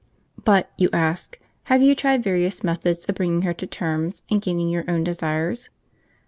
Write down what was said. But, you ask, have you tried various methods of bringing her to terms and gaining your own desires?